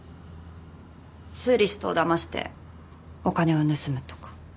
ツーリストをだましてお金を盗むとか。